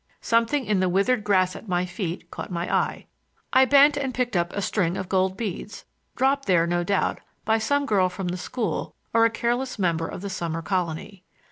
Something in the withered grass at my feet caught my eye. I bent and picked up a string of gold beads, dropped there, no doubt, by some girl from the school or a careless member of the summer colony.